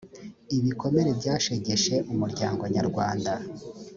ibikomere byashegeshe umuryango nyarwanda